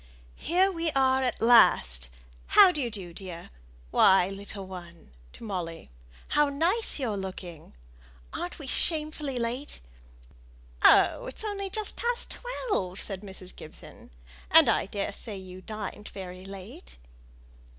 "Here we are at last. How d'ye do, dear? Why, little one" (to Molly), "how nice you're looking! Aren't we shamefully late?" "Oh! it's only just past twelve," said Mrs. Gibson; "and I daresay you dined very late."